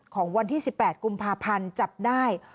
ของวันที่๑๘กุมภาพันธ์จับได้